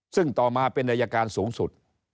ซึ่งต่อมาเป็นอายการสูงสุด